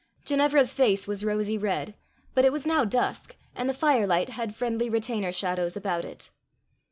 Ginevra's face was rosy red, but it was now dusk, and the fire light had friendly retainer shadows about it.